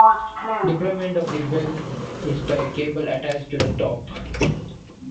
Deployment of the bell is by a cable attached to the top.